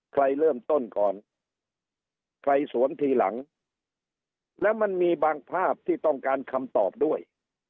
ใครเริ่มต้นก่อนใครสวมทีหลังแล้วมันมีบางภาพที่ต้องการคำตอบด้วย